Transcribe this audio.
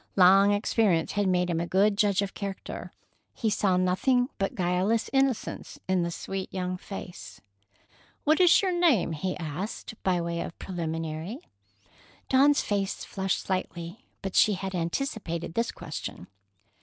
Long experience had made him a good judge of character. He saw nothing but guileless innocence in the sweet young face. "What is your name?" he asked, by way of preliminary. Dawn's face flushed slightly, but she had anticipated this question.